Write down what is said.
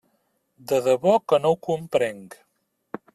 De debò que no ho comprenc.